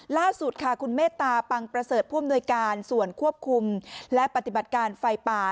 ล่าสุดค่ะคุณเมตตาปังประเสริฐผู้อำนวยการส่วนควบคุมและปฏิบัติการไฟป่า